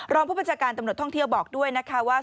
รองผู้บัญชาการตำรวจท่องเที่ยวบอกด้วยนะคะว่า